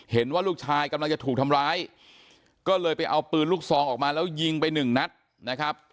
เห็นว่าลูกชายกำลังจะถูกทำร้ายก็เลยไปเอาปืนลูกซองออกมาแล้วยิงไปหนึ่งนัดนะครับ